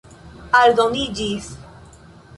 aldoniĝis